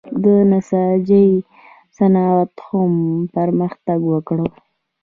د نساجۍ صنعت هم پرمختګ وکړ.